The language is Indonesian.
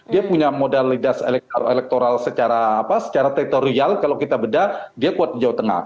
dia punya modalitas elektoral secara tektorial kalau kita beda dia kuat jauh tengah